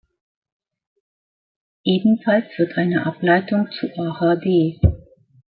Ebenfalls wird eine Ableitung zu ahd.